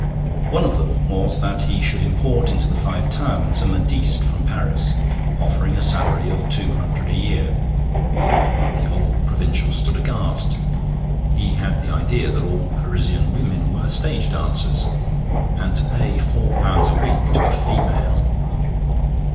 One of them was that he should import into the Five Towns a modiste from Paris, offering a salary of two hundred a year. The old provincial stood aghast. He had the idea that all Parisian women were stage dancers. And to pay four pounds a week to a female!